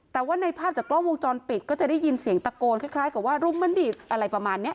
แต่ว่าในภาพจากกล้องวงจรปิดก็จะได้ยินเสียงตะโกนคล้ายกับว่ารุมมันดิอะไรประมาณนี้